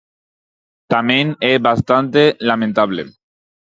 Tamén é bastante lamentable.